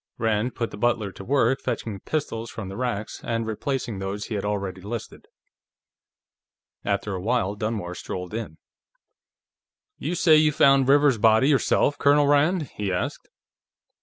Rand put the butler to work fetching pistols from the racks, and replacing those he had already listed. After a while, Dunmore strolled in. "You say you found Rivers's body yourself, Colonel Rand?" he asked.